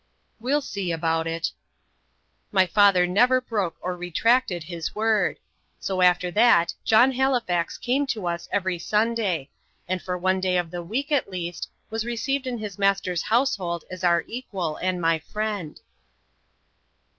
"We'll see about it." My father never broke or retracted his word. So after that John Halifax came to us every Sunday; and for one day of the week, at least, was received in his master's household as our equal and my friend.